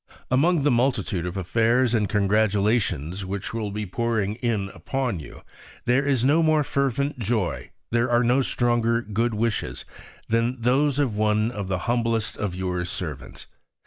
_) Among the multitude of affairs and congratulations which will be pouring in upon you, there is no more fervent joy, there are no stronger good wishes, than those of one of the humblest of your servants.